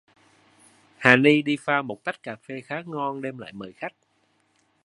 Hà ni đi pha một tách cà phê khá ngon đem lại mời khách